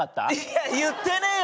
いや言ってねぇよ！